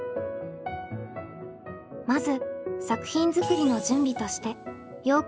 まず作品作りの準備としてよう